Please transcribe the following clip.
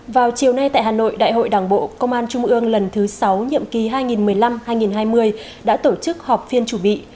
vào chiều nay tại hà nội đại hội đảng bộ công an trung ương lần thứ sáu nhiệm kỳ hai nghìn một mươi năm hai nghìn hai mươi đã tổ chức họp phiên chủ bị